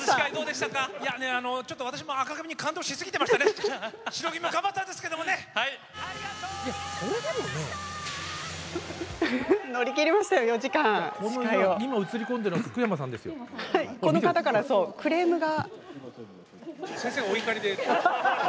しかし、この方からクレームが。